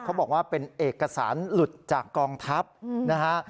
เขาบอกว่าเป็นเอกสารหลุดจากกองทัพนะฮะ